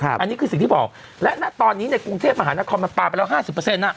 อันนี้คือสิ่งที่บอกและตอนนี้ในกรุงเทพฯมหานครมันปลาไปแล้ว๕๐น่ะ